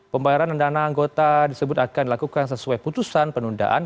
pembayaran dana anggota disebut akan dilakukan sesuai putusan penundaan